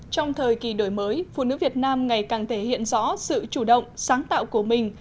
trong thời kỳ đổi mới phụ nữ việt nam ngày càng thể hiện rõ sự chủ động sáng tạo của mình